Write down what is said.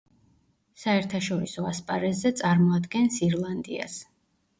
საერთაშორისო ასპარეზზე წარმოადგენს ირლანდიას.